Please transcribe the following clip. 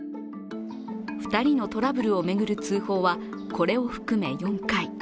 ２人のトラブルを巡る通報は、これを含め４回。